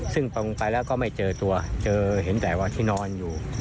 ซึ่งตรงไปแล้วก็ไม่เจอตัวเจอเห็นแต่วันที่นอนอยู่